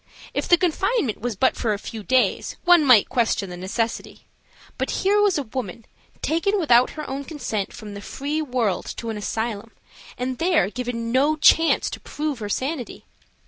If the confinement was but for a few days one might question the necessity. But here was a woman taken without her own consent from the free world to an asylum and there given no chance to prove her sanity.